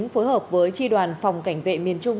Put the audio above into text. phối hợp với tri đoàn phòng cảnh vệ miền trung